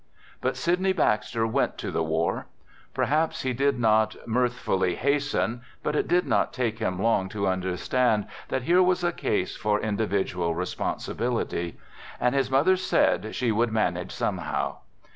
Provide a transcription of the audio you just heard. But Sydney Baxter went to the war. Perhaps he did not " mirthfully hasten," but it did not take him long to understand that here was a case for indi vidual responsibility ; and his mother said she would "manage somehow."